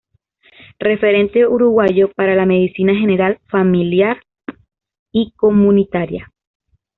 Referente uruguayo para la medicina general, familiar y comunitaria.